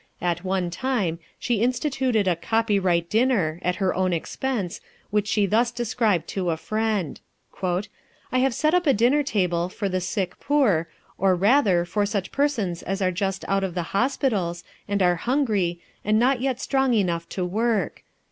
At one time she instituted a "copyright dinner," at her own expense, which she thus described to a friend: "I have set up a dinner table for the sick poor, or rather, for such persons as are just out of the hospitals, and are hungry, and yet not strong enough to work.